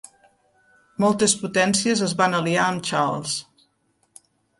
Moltes potències es van aliar amb Charles.